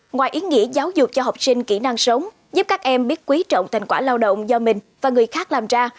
ngoài ý nghĩa giáo dục cho học sinh kỹ năng sống giúp các em biết quý trọng thành quả lao động do mình và người khác làm ra